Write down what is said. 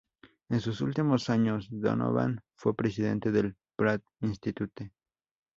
En sus últimos años, Donovan fue presidente del Pratt Institute.